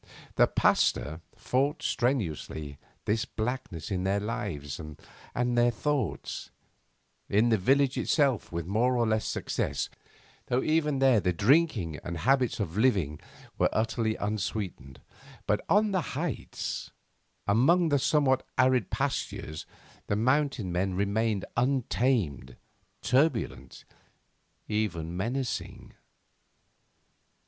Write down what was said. The Pasteur fought strenuously this blackness in their lives and thoughts; in the village itself with more or less success though even there the drinking and habits of living were utterly unsweetened but on the heights, among the somewhat arid pastures, the mountain men remained untamed, turbulent, even menacing.